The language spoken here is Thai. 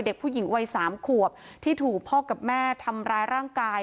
เด็กผู้หญิงวัย๓ขวบที่ถูกพ่อกับแม่ทำร้ายร่างกาย